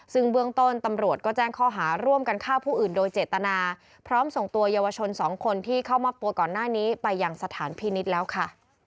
ซึ่งเบื้องต้นตำรวจก็แจ้งข้อหาร่วมกันฆ่าผู้อื่นโดยเจตนาพร้อมส่งตัวเยาวชนสองคนที่เข้ามอบตัวก่อนหน้านี้ไปยังสถานพินิษฐ์แล้วค่ะ